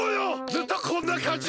ずっとこんなかんじよ！